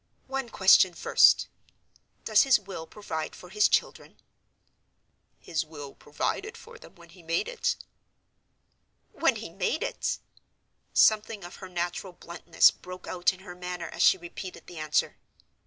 "One question, first. Does his will provide for his children?" "His will provided for them, when he made it." "When he made it!" (Something of her natural bluntness broke out in her manner as she repeated the answer.)